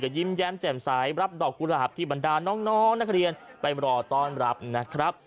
ยิ้มแย้มแจ่มสายรับดอกกุหลาบที่บรรดาน้องนักเรียนไปรอต้อนรับนะครับ